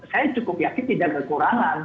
saya cukup yakin tidak kekurangan